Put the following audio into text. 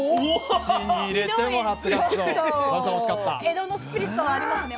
江戸のスピリットがありますね